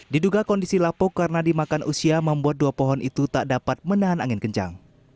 diduga kondisi lapuk karena dimakan usia membuat dua pohon itu tak dapat menahan angin kencang